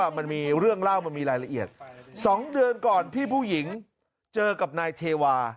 จ๊ะจ๊ะจ๊ะจ๊ะจ๊ะจ๊ะจ๊ะจ๊ะจ๊ะ